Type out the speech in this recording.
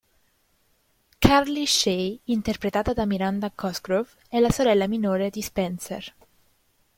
Carly Shay interpretata da Miranda Cosgrove è la sorella minore di Spencer.